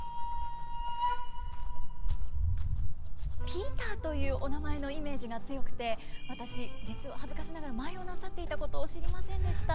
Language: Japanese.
ピーターというお名前のイメージが強くて私実は恥ずかしながら舞をなさっていたことを知りませんでした。